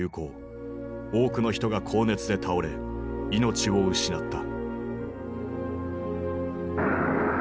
多くの人が高熱で倒れ命を失った。